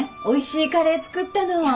おいしいカレー作ったの。